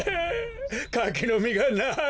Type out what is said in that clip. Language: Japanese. かきのみがない！